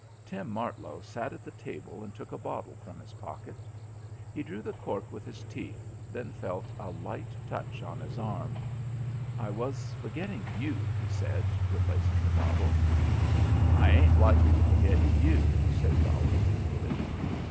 Tim Martlow sat at the table and took a bottle from his pocket. He drew the cork with his teeth, then felt a light touch on his arm. "I was forgetting you," he said, replacing the bottle. "I ain't likely to forget you," said Dolly ruefully.